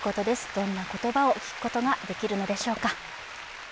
どんな言葉を聞くことができるのでしょうか。